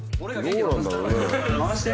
どうなんだろうね？